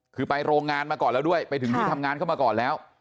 คือไปโรงงานมาก่อนแล้วด้วยไปถึงที่ทำงานเข้ามาก่อนแล้ว